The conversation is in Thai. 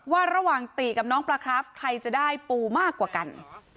ว่าระหว่างตีกับน้องปลาคราฟใครจะได้ปูมากกว่ากัน